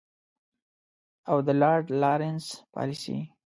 او د لارډ لارنس پالیسي.